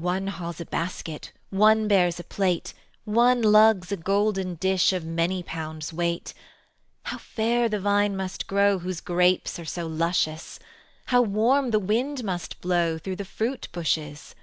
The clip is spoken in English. One hauls a basket, One bears a plate, One lugs a golden dish Of many pounds' weight. How fair the vine must grow Whose grapes are so luscious; How warm the wind must blow Through those fruit bushes."